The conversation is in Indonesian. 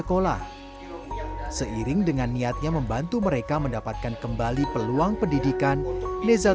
faisaitthe kota untuk mengallocasi nara kreatif pada july dua ribu sembilan belas